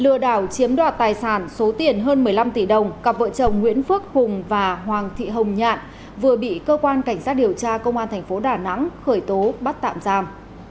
lừa đảo chiếm đoạt tài sản số tiền hơn một mươi năm tỷ đồng cặp vợ chồng nguyễn phước hùng và hoàng thị hồng nhạn vừa bị cơ quan cảnh sát điều tra công an thành phố đà nẵng khởi tố bắt tạm giam